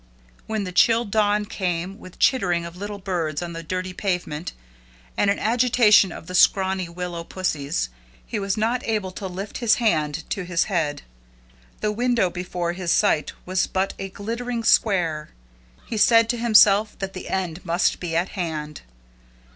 When the chill dawn came, with chittering of little birds on the dirty pavement, and an agitation of the scrawny willow "pussies," he was not able to lift his hand to his head. The window before his sight was but "a glimmering square." He said to himself that the end must be at hand.